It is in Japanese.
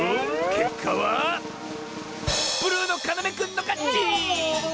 けっかはブルーのかなめくんのかち！